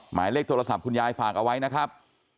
หมายเลขโทรศัพท์คุณยายฝากเอาไว้นะครับ